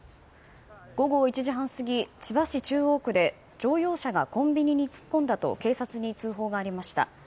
午後１時半過ぎ、千葉市中央区で乗用車がコンビニに突っ込んだと警察に通報がありました。